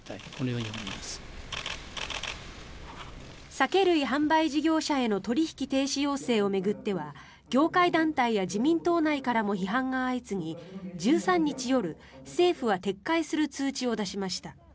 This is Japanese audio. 酒類販売事業者への取引停止要請を巡っては業界団体や自民党内からも批判が相次ぎ１３日夜、政府は撤回する通知を出しました。